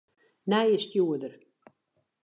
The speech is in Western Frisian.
Nije stjoerder.